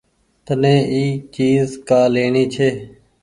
تني اي چيز ڪآ ليڻي هيتي۔